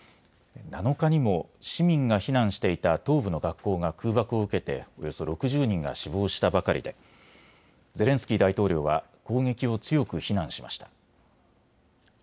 ７日にも市民が避難していた東部の学校が空爆を受けておよそ６０人が死亡したばかりでゼレンスキー大統領は攻撃を強く非難しました。